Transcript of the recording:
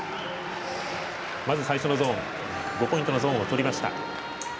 まず最初の５ポイントのゾーンをとりました。